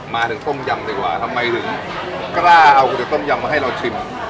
มาถึงต้มยำดีกว่าทำไมถึงกล้าเอาก๋วต้มยำมาให้เราชิม